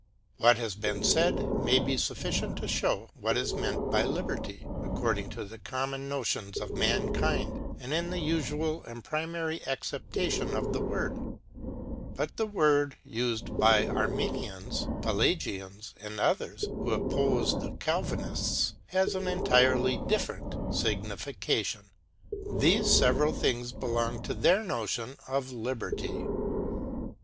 What has been said may be sufficient to show what is meant by liberty, according to the common notions of mankind, and in the usual and primary acceptation of the word : but the word, as used by Arminians, Pelagians, and others, who oppose the Calvinists, has an entirely different signification. These several things belong to their notion of liberty.